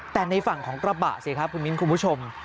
แต่ในฝั่งของกระบะสิครับคุณมิ้นคุณผู้ชม